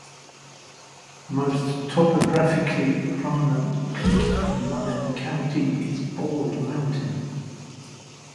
The most topographically prominent peak in Lyon County is Bald Mountain.